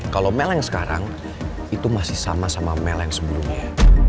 kalau mel yang sekarang itu masih sama sama mel yang sebelumnya